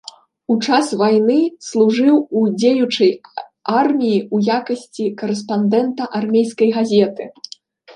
У час вайны служыў у дзеючай арміі ў якасці карэспандэнта армейскай газеты.